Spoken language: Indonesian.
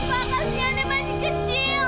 kasihan dia masih kecil